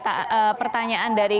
ada pertanyaan dari